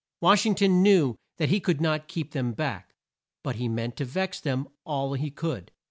Wash ing ton knew that he could not keep them back, but he meant to vex them all he could.